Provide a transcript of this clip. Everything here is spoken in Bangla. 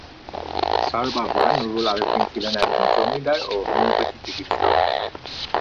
তার বাবা নুরুল আরেফিন ছিলেন একজন জমিদার ও হোমিওপ্যাথি চিকিৎসক।